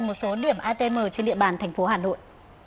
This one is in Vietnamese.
một số điểm atm trên địa bàn thành phố hà nội